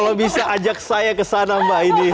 kalau bisa ajak saya ke sana mbak ini